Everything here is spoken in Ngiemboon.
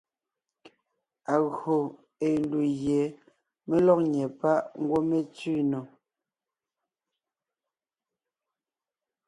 Agÿò ée ndù gie mé lɔ́g nyɛ́ páʼ ngwɔ́ mé tsẅi nò.